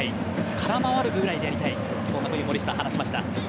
空回るくらいでやりたいと話しました。